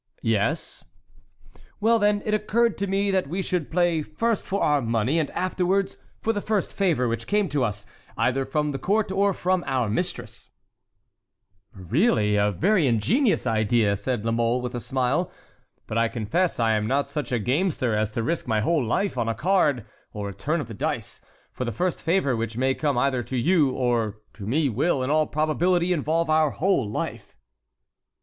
"Yes." "Well, then, it occurred to me that we should play first for our money, and afterwards for the first favor which came to us, either from the court or from our mistress"— "Really, a very ingenious idea," said La Mole, with a smile, "but I confess I am not such a gamester as to risk my whole life on a card or a turn of the dice; for the first favor which may come either to you or to me will, in all probability, involve our whole life."